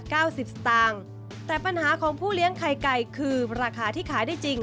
สิบสตางค์แต่ปัญหาของผู้เลี้ยงไข่ไก่คือราคาที่ขายได้จริง